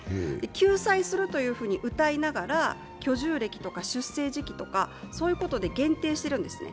救済するというふうにうたいながら居住歴とか、出生時期とか、そういうことに限定しているんですね。